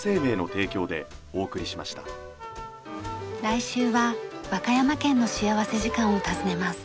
来週は和歌山県の幸福時間を訪ねます。